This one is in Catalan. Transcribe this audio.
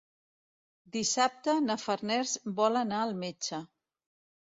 Dissabte na Farners vol anar al metge.